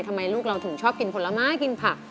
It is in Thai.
ทำไมลูกเราถึงชอบกินผลไม้กินผัก